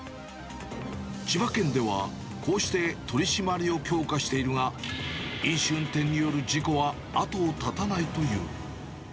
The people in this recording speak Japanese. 千葉県では、こうして取締りを強化しているが、飲酒運転による事故は後を絶たないという。